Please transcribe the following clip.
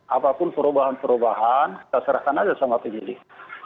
apapun perubahan perubahan kita serahkan saja sama penyelidik